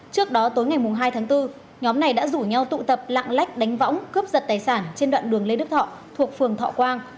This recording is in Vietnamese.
trước đó tối ngày hai tháng bốn nhóm này đã rủ nhau tụ tập lạng lách đánh võng cướp giật tài sản trên đoạn đường lê đức thọ thuộc phường thọ quang